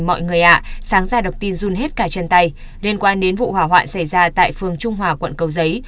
mọi người sáng ra đọc tin run hết cả chân tay liên quan đến vụ hỏa hoạn xảy ra tại phường trung hòa quận cầu giấy